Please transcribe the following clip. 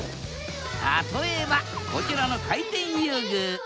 例えばこちらの回転遊具。